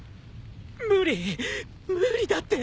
無理無理だって。